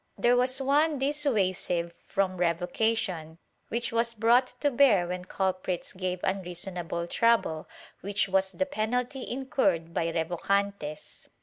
There was one dissuasive from revocation, which was brought to bear when culprits gave unreasonable trouble, which was the penalty incurred by revocantes.